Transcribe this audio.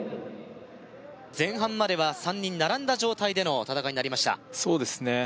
前半までは３人並んだ状態での戦いになりましたそうですね